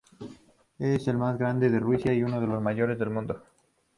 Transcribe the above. Es el más grande de Rusia y uno de los mayores del mundo.